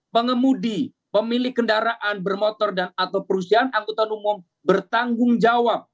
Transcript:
pengemudi pemilik kendaraan bermotor dan atau perusahaan angkutan umum bertanggung jawab